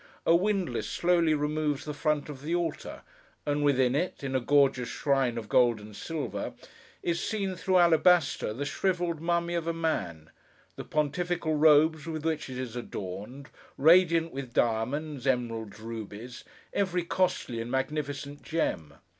A windlass slowly removes the front of the altar; and, within it, in a gorgeous shrine of gold and silver, is seen, through alabaster, the shrivelled mummy of a man: the pontifical robes with which it is adorned, radiant with diamonds, emeralds, rubies: every costly and magnificent gem.